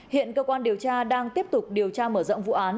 hiện cơ quan điều tra đang tiếp tục điều tra mở rộng vụ án